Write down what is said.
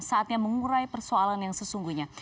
saatnya mengurai persoalan yang sesungguhnya